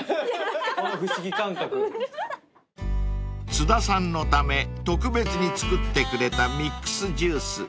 ［津田さんのため特別に作ってくれたミックスジュース］